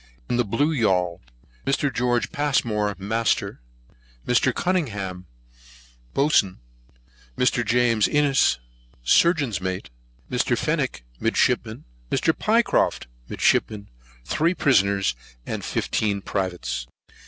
In the Blue Yaul: Mr. Geo. Passmore, Master, Mr. Cunningham, Boatswain, Mr. James Innes, Surgeon's Mate, Mr. Fenwick, Midshipman, Mr. Pycroft, Midshipman, Three Prisoners, Fifteen Privates.